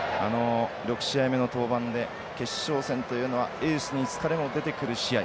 ６試合目の登板で決勝戦というのはエースに疲れも出てくる試合。